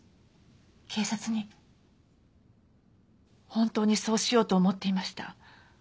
本当にそうしようと思っていました。